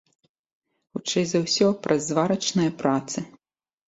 Хутчэй за ўсё, праз зварачныя працы.